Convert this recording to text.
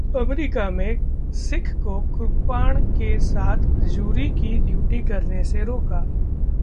America में सिख को कृपाण के साथ जूरी की ड्यूटी करने से रोका